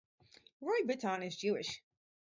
Roy Bittan is Jewish.